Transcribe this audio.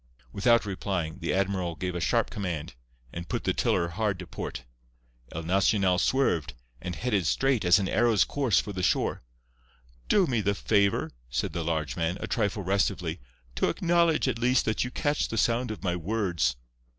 Without replying, the admiral gave a sharp command, and put the tiller hard to port. El Nacional swerved, and headed straight as an arrow's course for the shore. "Do me the favour," said the large man, a trifle restively, "to acknowledge, at least, that you catch the sound of my words."